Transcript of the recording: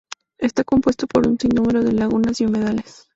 Está compuesto por un sinnúmero de lagunas y humedales.